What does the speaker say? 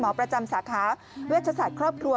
ประจำสาขาเวชศาสตร์ครอบครัว